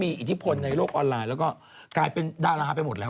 มีอิทธิพลในโลกออนไลน์แล้วก็กลายเป็นดาราไปหมดแล้ว